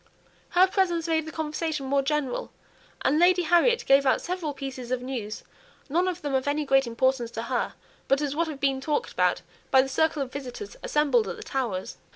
Her presence made the conversation more general, and Lady Harriet gave out several pieces of news, none of them of any great importance to her, but as what had been talked about by the circle of visitors assembled at the Towers.